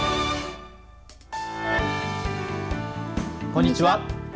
こんにちは。